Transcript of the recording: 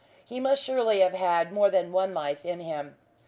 He must surely have had more than one life in him.